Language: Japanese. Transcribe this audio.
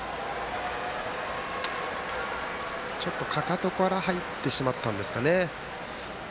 ちょっと、かかとから入ってしまったんですかね。